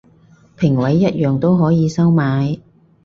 評委一樣都可以收買